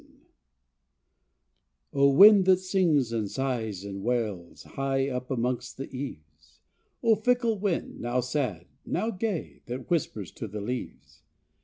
0 , wind that sings and sighs and wails High up amongst the eaves; O, fickle wind, now sad, now gay, That whispers to the leaves.